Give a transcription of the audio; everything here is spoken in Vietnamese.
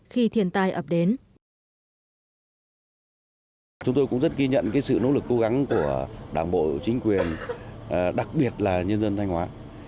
chúng tôi cũng rất ghi nhận sự nỗ lực cố gắng của đảng bộ chính quyền đặc biệt là nhân dân thanh hóa